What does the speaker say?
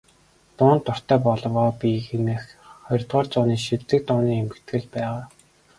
"Дуунд дуртай болов оо би" хэмээх ХХ зууны шилдэг дууны эмхэтгэлд байгаа.